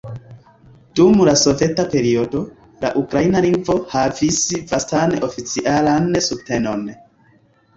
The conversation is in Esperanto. Dum la soveta periodo, la ukraina lingvo havis vastan oficialan subtenon.